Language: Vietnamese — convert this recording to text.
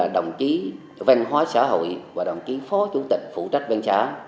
đồng chí văn hóa xã hội và đồng chí phó chủ tịch phụ trách bên xã